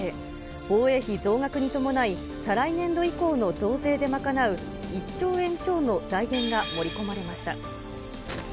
防衛費増額に伴い、再来年度以降の増税で賄う１兆円強の財源が盛り込まれました。